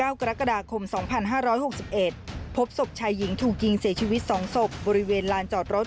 วันที่สุดวันที่สุดวันที่สุด